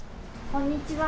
こんにちは。